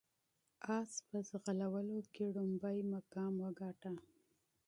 اس په ځغلولو کې لومړی مقام وګاټه.